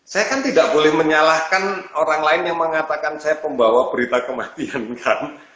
saya kan tidak boleh menyalahkan orang lain yang mengatakan saya pembawa berita kematian kan